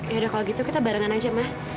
yaudah kalau gitu kita barengan aja mah